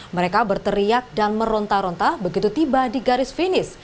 mereka berteriak dan merontah rontah begitu tiba di garis finis